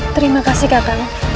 terima kasih kakam